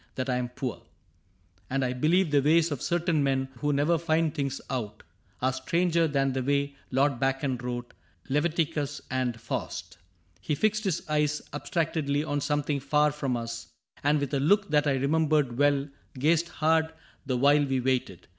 That I am poor ;— and I believe the ways Of certain men who never find things out Are stranger than the way Lord Bacon wrote Leviticm^ and Faust He fixed his eyes Abstractedly on something far from us, And with a look that I remembered well Gazed hard the while we waited.